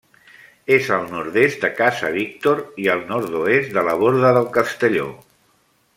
És al nord-est de Casa Víctor i al nord-oest de la Borda del Castelló.